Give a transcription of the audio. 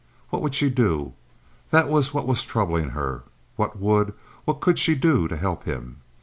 What would she do? That was what was troubling her. What would, what could she do to help him?